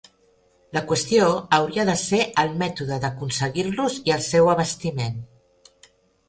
La qüestió hauria de ser el mètode d'aconseguir-los i el seu abastiment.